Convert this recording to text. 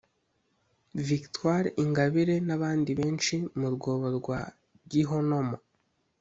Victoire Ingabire n’abandi benshi mu rwobo rwa gihonomo